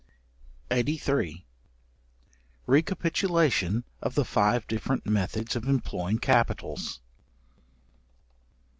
§83. Recapituation of the five different methods of employing capitals.